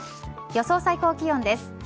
予想最高気温です。